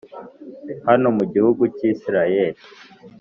hano mu gihugu cy`isirayeli